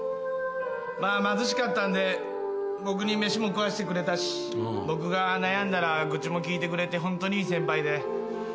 まあ貧しかったんで僕に飯も食わせてくれたし僕が悩んだら愚痴も聞いてくれてホントにいい先輩で。